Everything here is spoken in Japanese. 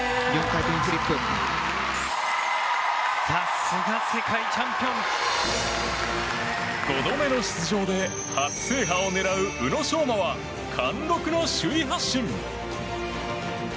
さすが世界チャンピオン！５度目の出場で初制覇を狙う宇野昌磨は貫禄の首位発進！